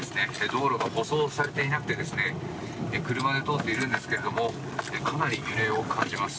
道路が舗装されていなくて車で通っているんですけどもかなり揺れを感じます。